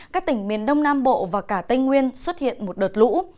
các tỉnh miền đông nam bộ và cả tây nguyên xuất hiện một đợt lũ